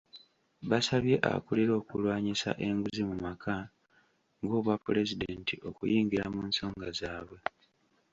Basabye akulira okulwanyisa enguzi mu maka g'obwapulezidenti okuyingira mu nsonga zaabwe.